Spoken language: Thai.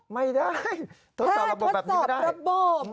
ไม่ได้ทดสอบระบบแบบนี้ไม่ได้